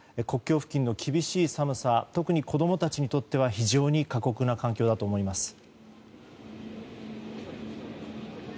国境付近の厳しい寒さ特に子供たちにとっては非常に過酷な環境だと思います。